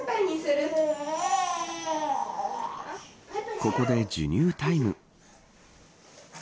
ここで授乳タイム。